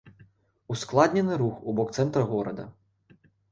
Ускладнены рух у бок цэнтра горада.